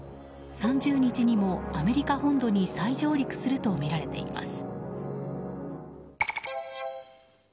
３０日にもアメリカ本土に再上陸するとみられています。